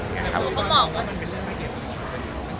คือเขาบอกว่ามันเป็นเรื่องละเอียดอ่อนนะครับ